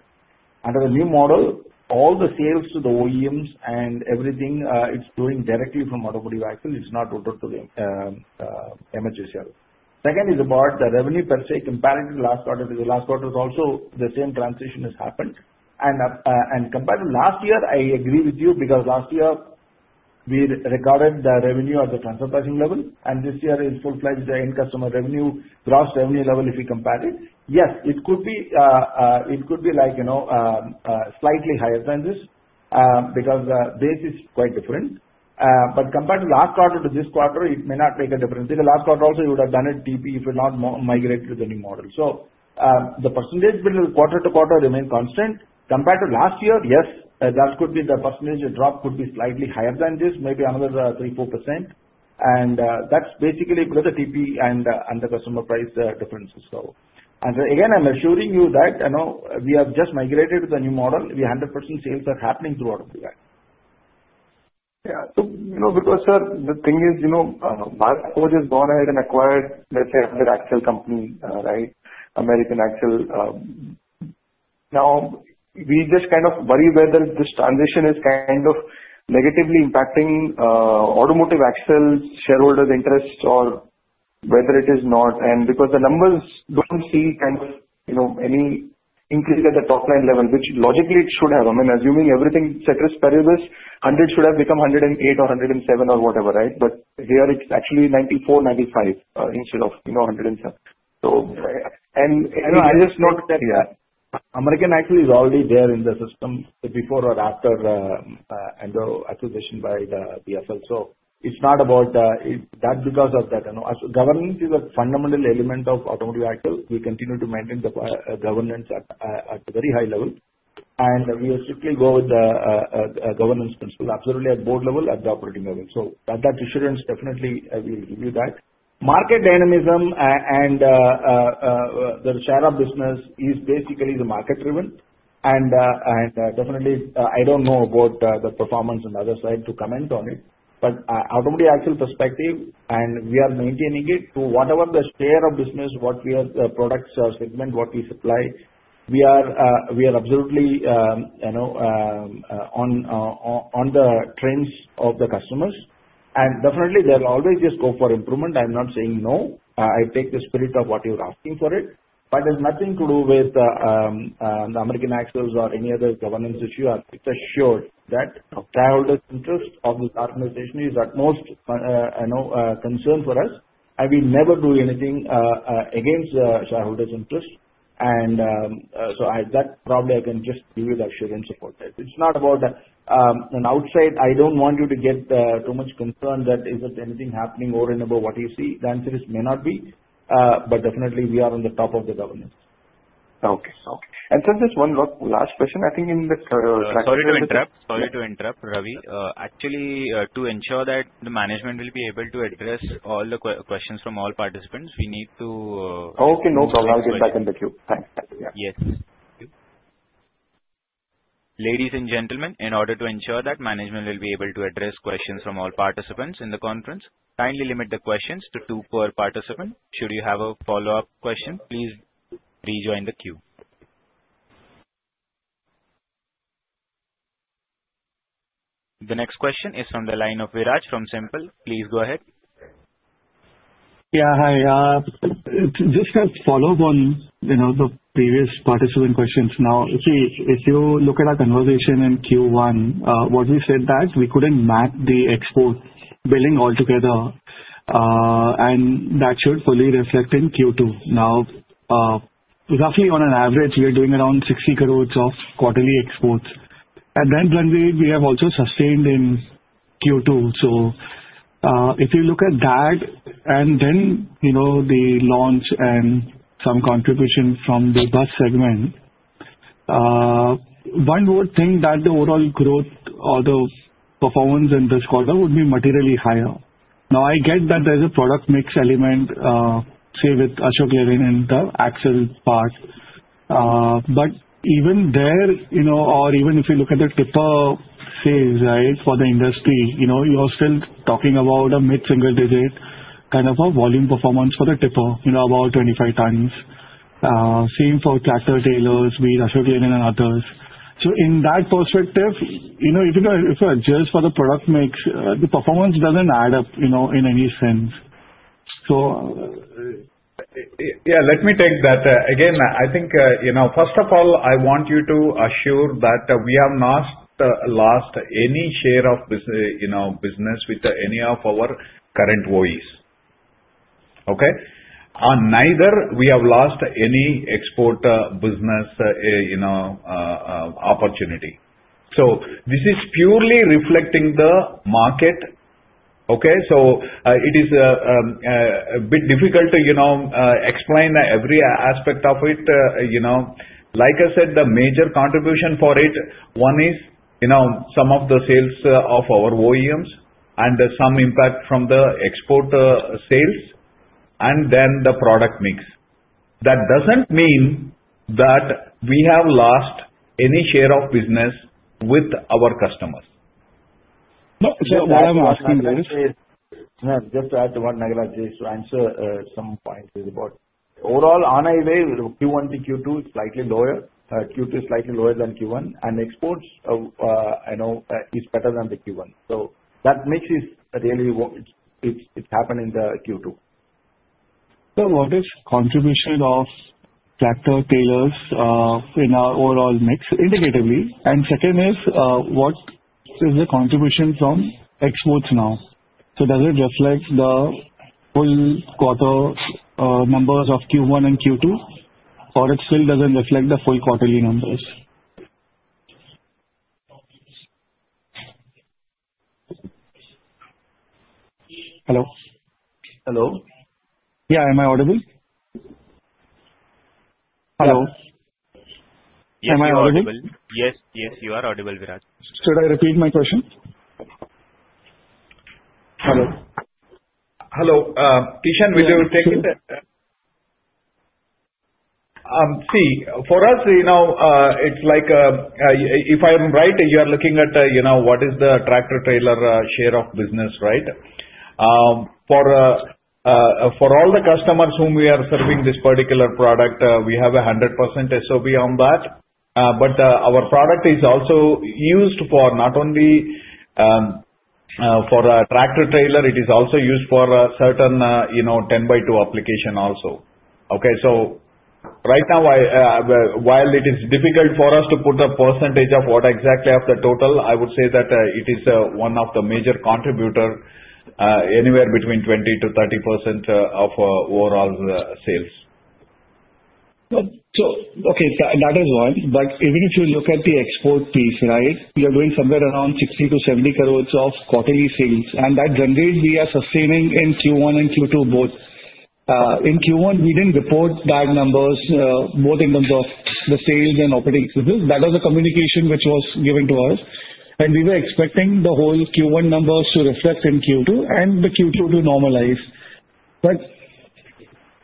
under the new model, all the sales to the OEMs and everything, it's going directly from Automotive Axles. It's not routed to the MHVSL. Second is about the revenue per se compared to the last quarter. The last quarter is also the same transition has happened. Compared to last year, I agree with you because last year, we recorded the revenue at the transfer pricing level, and this year is full-fledged end customer revenue, gross revenue level if you compare it. Yes, it could be like slightly higher than this because the base is quite different. Compared to last quarter to this quarter, it may not make a difference. In the last quarter also, you would have done it TP if you had not migrated to the new model. The percentage between quarter to quarter remains constant. Compared to last year, yes, that could be the percentage drop could be slightly higher than this, maybe another 3%-4%. That's basically the TP and the customer price differences. Again, I'm assuring you that we have just migrated to the new model. The 100% sales are happening throughout the year. Yeah. So because, sir, the thing is, Bharat Forge has gone ahead and acquired, let's say, another axle company, right? American Axle. Now, we just kind of worry whether this transition is kind of negatively impacting automotive axle shareholders' interests or whether it is not. And because the numbers don't see kind of any increase at the top line level, which logically it should have. I mean, assuming everything set as per this, 100 should have become 108 or 107 or whatever, right? But here, it's actually 94, 95 instead of 107. And I just note that. Yeah. American Axle is already there in the system before or after the acquisition by the BFL. So it's not about that because of that. Governance is a fundamental element of Automotive Axles. We continue to maintain the governance at a very high level and we strictly go with the governance principle, absolutely at Board level, at the operating level. So that assurance, definitely, we'll give you that. Market dynamism and the share of business is basically the market-driven and definitely, I don't know about the performance on the other side to comment on it but Automotive Axles perspective, and we are maintaining it to whatever the share of business, what we are the products segment, what we supply, we are absolutely on the trends of the customers and definitely, they'll always just go for improvement. I'm not saying no. I take the spirit of what you're asking for it. But it has nothing to do with American Axle or any other governance issue. I assure you that the shareholders' interest of this organization is of utmost concern for us. And we never do anything against shareholders' interest. And so that probably I can just give you the assurance about that. It's not about anything outside. I don't want you to get too much concerned that there's anything happening over and above what you see. The answer is maybe not. But definitely, we are on top of the governance. Okay. Okay. And sir, just one last question. I think in the. Sorry to interrupt. Sorry to interrupt, Ravi. Actually, to ensure that the management will be able to address all the questions from all participants, we need to. Okay. No problem. I'll get back in the queue. Thanks. Yes. Ladies and gentlemen, in order to ensure that management will be able to address questions from all participants in the conference, kindly limit the questions to two per participant. Should you have a follow-up question, please rejoin the queue. The next question is from the line of Viraj from SiMPL. Please go ahead. Yeah. Hi. Just a follow-up on the previous participant questions. Now, see, if you look at our conversation in Q1, what we said that we couldn't map the export billing altogether, and that should fully reflect in Q2. Now, roughly on an average, we are doing around 60 crores of quarterly exports. And then we have also sustained in Q2. So if you look at that, and then the launch and some contribution from the bus segment, one would think that the overall growth or the performance in this quarter would be materially higher. Now, I get that there's a product mix element, say, with Ashok Leyland in the axle part. But even there, or even if you look at the tipper sales, right, for the industry, you're still talking about a mid-single digit kind of a volume performance for the tipper, about 25 tons. Same for tractor trailers, with Ashok Leyland and others. So in that perspective, if you adjust for the product mix, the performance doesn't add up in any sense. So yeah, let me take that. Again, I think, first of all, I want you to assure that we have not lost any share of business with any of our current OEMs. Okay? Neither we have lost any export business opportunity. So this is purely reflecting the market. Okay? So it is a bit difficult to explain every aspect of it. Like I said, the major contribution for it, one is some of the sales of our OEMs and some impact from the export sales, and then the product mix. That doesn't mean that we have lost any share of business with our customers. So what I'm asking is, just to add to what Nagaraja just answered, some points is about overall, anyway, Q1 to Q2 is slightly lower. Q2 is slightly lower than Q1. And exports is better than the Q1. So that mix is really it's happening in the Q2. So what is contribution of tractor trailers in our overall mix indicatively? And second is, what is the contribution from exports now? So does it reflect the full quarter numbers of Q1 and Q2, or it still doesn't reflect the full quarterly numbers? Hello? Hello. Yeah. Am I audible? Hello? Yes, you are audible. Yes, you are audible, Viraj. Should I repeat my question? Hello? Hello. Krishan, would you take it? See, for us, it's like if I'm right, you are looking at what is the tractor trailer share of business, right? For all the customers whom we are serving this particular product, we have a 100% SOP on that. But our product is also used for not only for a tractor trailer. It is also used for a certain 10x2 application also. Okay? So right now, while it is difficult for us to put a percentage of what exactly of the total, I would say that it is one of the major contributors, anywhere between 20%-30% of overall sales. So okay, that is one. But even if you look at the export piece, right, we are doing somewhere around 60 crores-70 crores of quarterly sales. And that generally we are sustaining in Q1 and Q2 both. In Q1, we didn't report bad numbers, both in terms of the sales and operating expenses. That was the communication which was given to us. And we were expecting the whole Q1 numbers to reflect in Q2 and the Q2 to normalize. But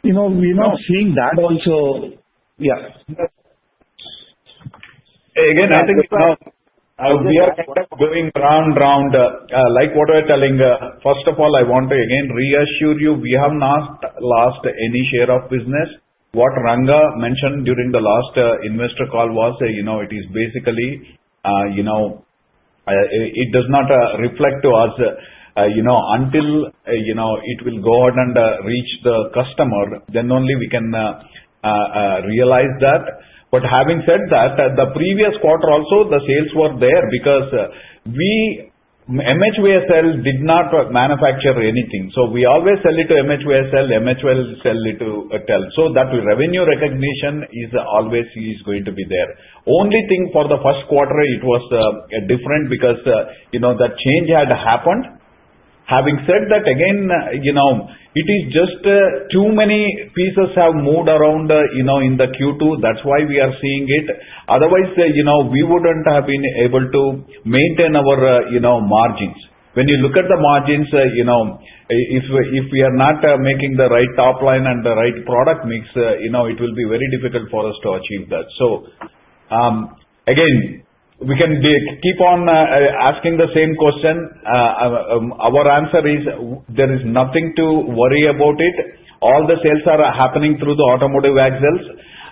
we're not seeing that also. Yeah. Again, I think we are going round, round, like what we're telling. First of all, I want to again reassure you, we have not lost any share of business. What Ranga mentioned during the last investor call was it is basically it does not reflect to us until it will go out and reach the customer. Then only we can realize that. But having said that, the previous quarter also, the sales were there because we MHVSL did not manufacture anything. So we always sell it to MHVSL. MHVSL sell it to ATL. So that revenue recognition is always going to be there. Only thing for the first quarter, it was different because that change had happened. Having said that, again, it is just too many pieces have moved around in the Q2. That's why we are seeing it. Otherwise, we wouldn't have been able to maintain our margins. When you look at the margins, if we are not making the right top line and the right product mix, it will be very difficult for us to achieve that. So again, we can keep on asking the same question. Our answer is there is nothing to worry about it. All the sales are happening through the Automotive Axles,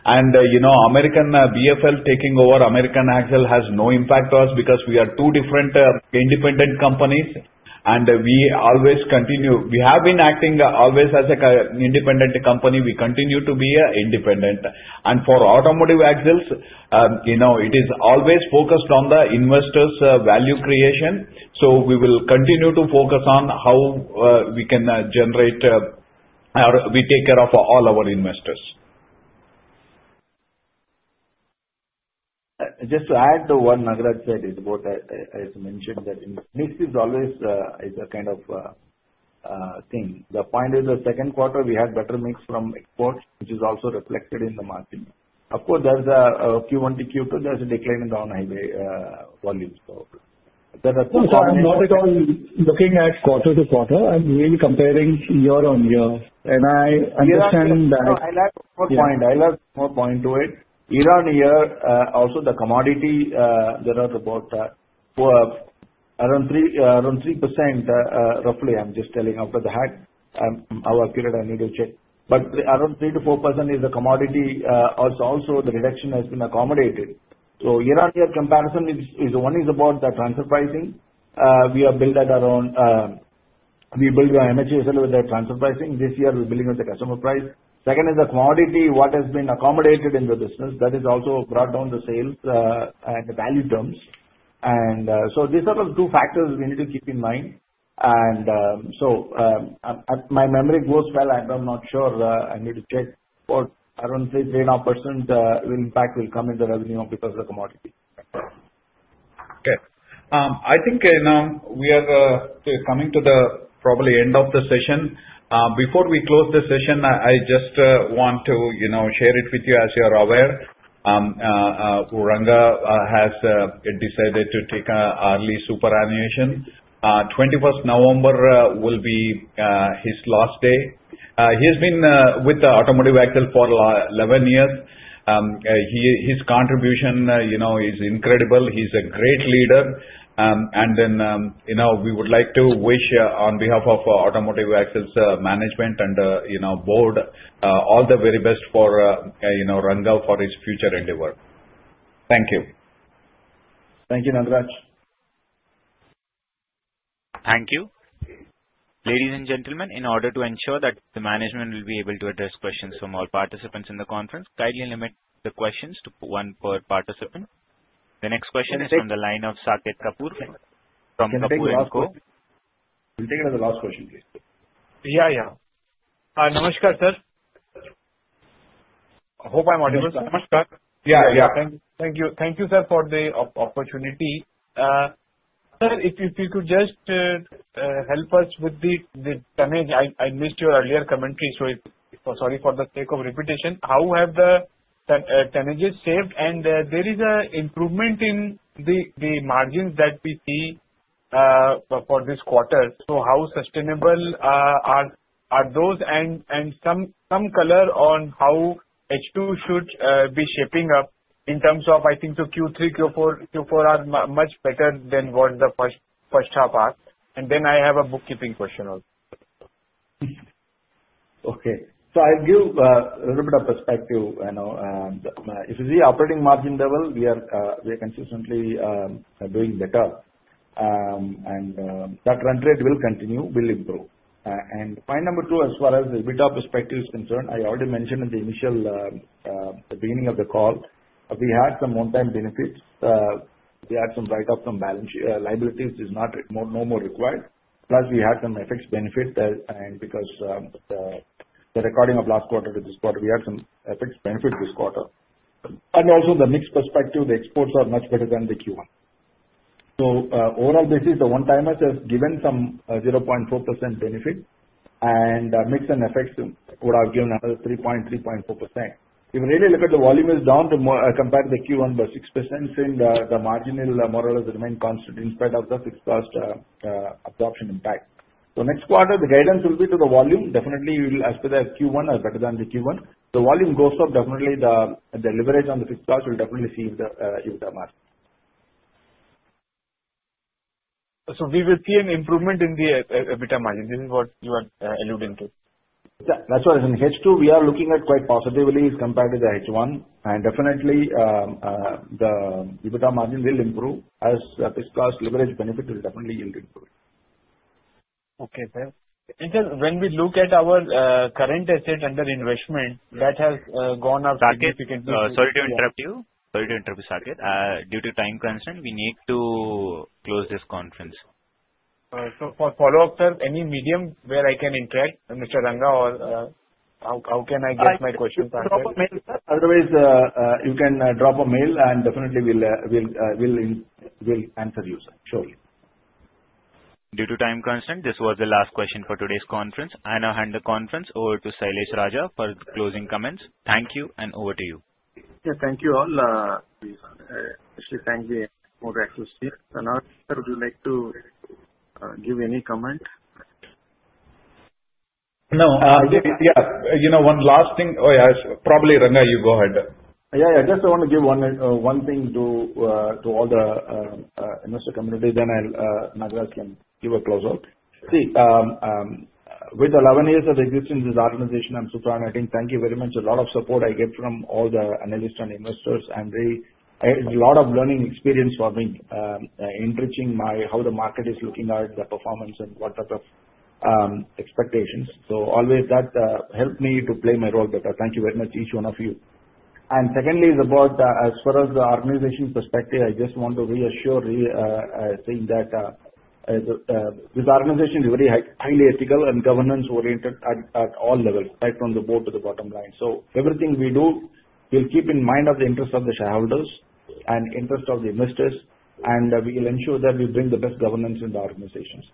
and BFL taking over American Axle has no impact to us because we are two different independent companies, and we always continue we have been acting always as an independent company. We continue to be independent, and for Automotive Axles, it is always focused on the investors' value creation. So we will continue to focus on how we can generate or we take care of all our investors. Just to add to what Nagaraja said is about, as mentioned, that mix is always a kind of thing. The point is the second quarter, we had better mix from exports, which is also reflected in the market. Of course, there's a Q1 to Q2, there's a decline in the on-highway volumes. So there are two combinations. So I'm not at all looking at quarter to quarter. I'm really comparing year-on-year. And I understand that. I'll add one more point. I'll add one more point to it. Year-on-year, also the commodity, there are about around 3% roughly. I'm just telling after the hike. Over a period. I need to check. But around 3%-4% is the commodity. Also, the reduction has been accommodated. So year on year comparison is one is about the transfer pricing. We are built at our own we build our MHVSL with the transfer pricing. This year, we're building with the customer price. Second is the commodity, what has been accommodated in the business. That has also brought down the sales and the value terms. These are the two factors we need to keep in mind. My memory goes well. I'm not sure. I need to check. About around 3%-4% impact will come in the revenue because of the commodity. Okay. I think now we are coming to the probably end of the session. Before we close the session, I just want to share it with you. As you are aware, Ranga has decided to take an early superannuation. 21st November will be his last day. He has been with the Automotive Axles for 11 years. His contribution is incredible. He's a great leader. And then we would like to wish on behalf of Automotive Axles management and Board all the very best for Ranga for his future endeavor. Thank you. Thank you, Nagaraja. Thank you. Ladies and gentlemen, in order to ensure that the management will be able to address questions from all participants in the conference, kindly limit the questions to one per participant. The next question is from the line of Saket Kapoor. From Kapoor & Co. We'll take it as the last question, please. Yeah, yeah. Namaskar, sir. Hope I'm audible. Namaskar. Yeah, yeah. Thank you, sir, for the opportunity. Sir, if you could just help us with the tonnage. I missed your earlier commentary. So sorry for the sake of repetition. How have the tonnages saved? And there is an improvement in the margins that we see for this quarter. So how sustainable are those? And some color on how H2 should be shaping up in terms of, I think, Q3, Q4 are much better than what the first half are. And then I have a bookkeeping question also. Okay, so I'll give a little bit of perspective. If you see operating margin level, we are consistently doing better, and that run rate will continue, will improve, and point number two, as far as return perspective is concerned, I already mentioned in the initial beginning of the call, we had some one-time benefits. We had some write-back from liability, which is no more required. Plus, we had some FX benefit, and from last quarter to this quarter, we had some FX benefit this quarter, and also the mix perspective, the exports are much better than the Q1. So overall, basically, the one-timers have given some 0.4% benefit, and mix and FX would have given another 3.3%-4%. If you really look at the volume, it's down compared to the Q1 by 6%. The margin more or less remained constant in spite of the fixed cost absorption impact. So next quarter, the guidance will be to the volume. Definitely, as per the Q1, it's better than the Q1. The volume goes up. Definitely, the leverage on the fixed cost will definitely see EBITDA margin. So we will see an improvement in the EBITDA margin. This is what you are alluding to? That's why in H2, we are looking at quite positively compared to the H1. And definitely, the EBITDA margin will improve as fixed cost leverage benefit will definitely improve. Okay, sir. When we look at our current asset under investment, that has gone up significantly. Saket, sorry to interrupt you. Sorry to interrupt, Saket. Due to time constraint, we need to close this conference. So for follow-up, sir, any medium where I can interact, Mr. Ranga? Or how can I get my questions answered? Drop a mail, sir. Otherwise, you can drop a mail, and definitely, we'll answer you, sir. Surely. Due to time constraint, this was the last question for today's conference. I now hand the conference over to Sailesh Raja for closing comments. Thank you, and over to you. Yeah, thank you all. Especially thanks to. Nagaraja, would you like to give any comment? No. Yeah. One last thing. Oh, yes. Probably Ranga, you go ahead. Yeah. Just I want to give one thing to all the investor community. Then Nagaraja can give a closing. With 11 years of existence in this organization, I'm super honored. Thank you very much. A lot of support I get from all the analysts and investors. And it's a lot of learning experience for me, enriching how the market is looking at the performance and what type of expectations. So always that helped me to play my role better. Thank you very much, each one of you. And secondly, as far as the organization perspective, I just want to reassure, saying that this organization is very highly ethical and governance-oriented at all levels, right from the board to the bottom line. So everything we do, we'll keep in mind of the interest of the shareholders and interest of the investors. We will ensure that we bring the best governance in the organizations.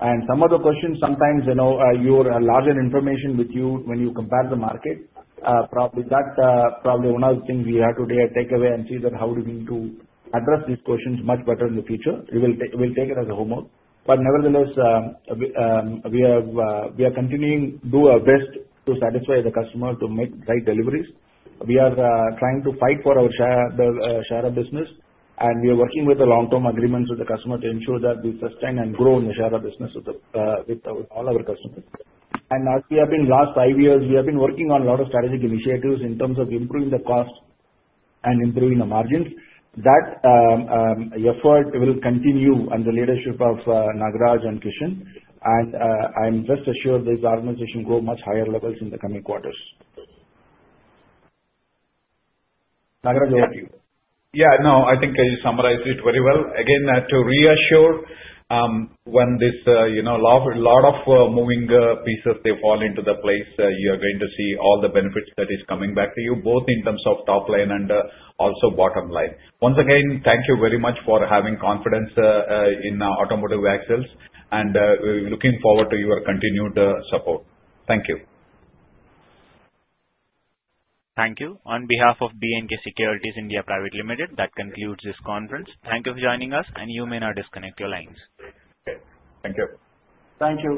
Some of the questions, sometimes you require larger information with you when you compare the market. That's probably one of the things we have today to take away and see that how do we need to address these questions much better in the future. We'll take it as a homework. Nevertheless, we are continuing to do our best to satisfy the customer to make the right deliveries. We are trying to fight for our share of business. We are working with the long-term agreements with the customer to ensure that we sustain and grow in the share of business with all our customers. As we have been last five years, we have been working on a lot of strategic initiatives in terms of improving the cost and improving the margins. That effort will continue under the leadership of Nagaraja and Krishan. And I'm just assured this organization will go to much higher levels in the coming quarters. Nagaraja, over to you. Yeah. No, I think you summarized it very well. Again, to reassure, when this lot of moving pieces, they fall into the place, you are going to see all the benefits that are coming back to you, both in terms of top line and also bottom line. Once again, thank you very much for having confidence in Automotive Axles. And we're looking forward to your continued support. Thank you. Thank you. On behalf of B&K Securities India Pvt. Ltd., that concludes this conference. Thank you for joining us, and you may now disconnect your lines. Okay. Thank you. Thank you.